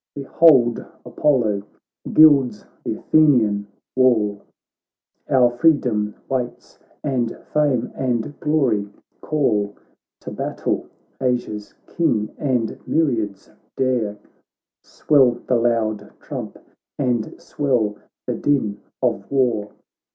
Behold Apollo gilds th' Athenian wall. Our freedom waits, and fame and glory call To battle 1 Asia's King and myriads dare, Swell the loud trump, and swell the din of war.'